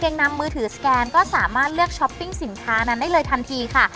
ยังนำมือถือสแกนก็สามารถเลือกช้อปปิ้งสินค้านั้นได้เลยทันทีค่ะ